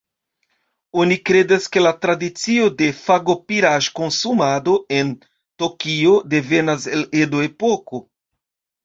Oni kredas, ke la tradicio de fagopiraĵ-konsumado en Tokio devenas el Edo-epoko.